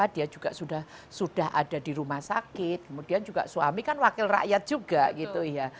dia juga sudah ada di rumah sakit kemudian juga suami kan wakil rakyat juga gitu ya